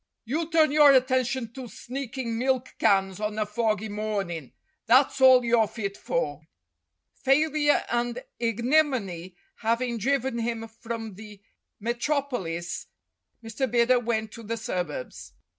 You turn your attention to sneakin' milk cans on a foggy mornin' that's all you're fit for !" Failure and ignominy having driven him from the metropolis Mr. Bidder went to the suburbs.